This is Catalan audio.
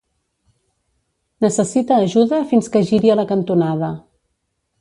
Necessita ajuda fins que giri a la cantonada.